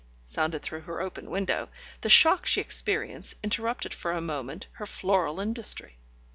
sounded through her open window, the shock she experienced interrupted for a moment her floral industry.